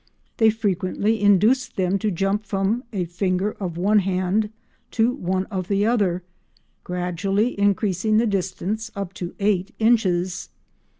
They frequently induced them to jump from a finger of one hand to one of the other, gradually increasing the distance up to eight inches.